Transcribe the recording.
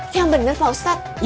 yang bener pak ustadz